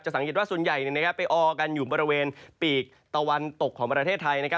สังเกตว่าส่วนใหญ่ไปออกันอยู่บริเวณปีกตะวันตกของประเทศไทย